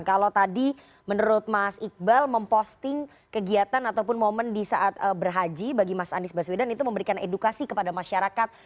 jadi menurut mas iqbal memposting kegiatan ataupun momen di saat berhaji bagi mas anies baswedan itu memberikan edukasi kepada masyarakat